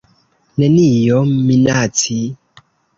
Nenio minaci.